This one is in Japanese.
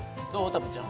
たぶっちゃん